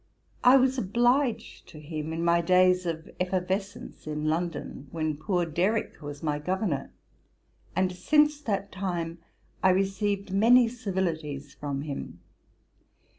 I was obliged to him in my days of effervescence in London, when poor Derrick was my governour; and since that time I received many civilities from him.